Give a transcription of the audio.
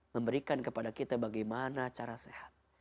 memberikan kepada kita bagaimana cara sehat